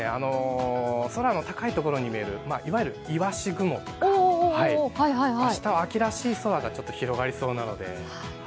空の高いところに見えるいわゆるいわし雲とか明日は秋らしい空が広がりそうなので。